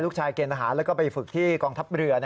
ลูกชายเกณฑ์ทหารและไปฝึกที่กองทับเหลือ